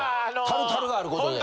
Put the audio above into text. タルタルがある事で。